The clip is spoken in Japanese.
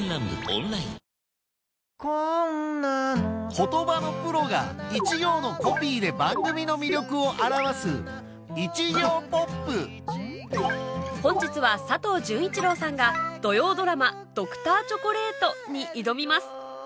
言葉のプロが一行のコピーで番組の魅力を表す本日は佐藤潤一郎さんが土曜ドラマ『Ｄｒ．チョコレート』に挑みます